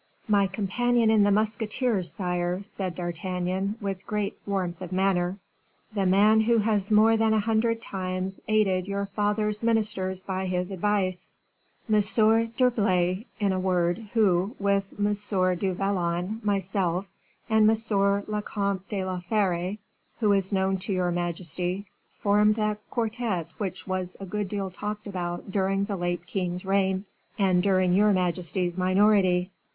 "My companion in the musketeers, sire," said D'Artagnan, with great warmth of manner, "the man who has more than a hundred times aided your father's ministers by his advice M. d'Herblay, in a word, who, with M. du Vallon, myself, and M. le Comte de la Fere, who is known to your majesty, formed that quartette which was a good deal talked about during the late king's reign, and during your majesty's minority."